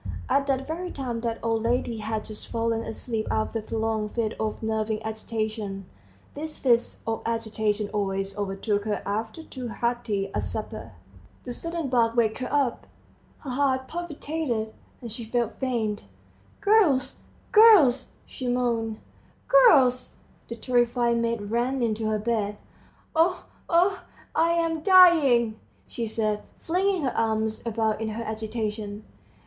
At that very time the old lady had just fallen asleep after a prolonged fit of "nervous agitation"; these fits of agitation always overtook her after too hearty a supper. The sudden bark waked her up: her heart palpitated, and she felt faint. "Girls, girls!" she moaned. "Girls!" The terrified maids ran into her bedroom. "Oh, oh, I am dying!" she said, flinging her arms about in her agitation.